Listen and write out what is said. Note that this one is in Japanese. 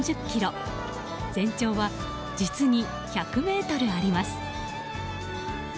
全長は実に１００ｍあります。